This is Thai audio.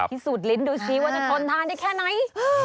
สูจนลิ้นดูซิว่าจะทนทานได้แค่ไหน